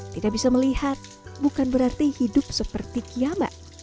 tidak bisa melihat bukan berarti hidup seperti kiamat